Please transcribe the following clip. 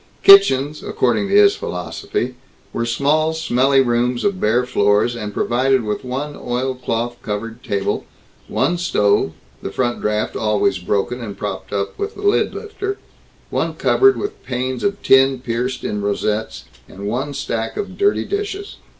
Kitchens, according to his philosophy, were small smelly rooms of bare floors, and provided with one oilcloth covered table, one stove (the front draft always broken and propped up with the lid lifter), one cupboard with panes of tin pierced in rosettes, and one stack of dirty dishes.